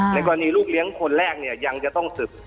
กรณีลูกเลี้ยงคนแรกเนี่ยยังจะต้องสืบ